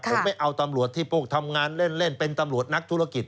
ผมไม่เอาตำรวจที่พวกทำงานเล่นเป็นตำรวจนักธุรกิจ